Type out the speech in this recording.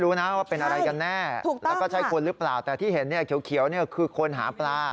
ถูกต้องค่ะแล้วก็ใช้คนหรือเปล่าแต่ที่เห็นเขียวคือคนหาปลา